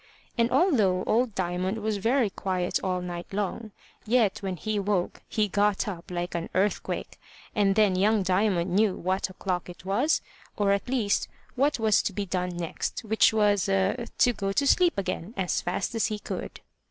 And although old Diamond was very quiet all night long, yet when he woke he got up like an earthquake, and then young Diamond knew what o'clock it was, or at least what was to be done next, which was to go to sleep again as fast as he could.